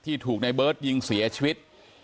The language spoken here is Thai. ถูกในเบิร์ตยิงเสียชีวิต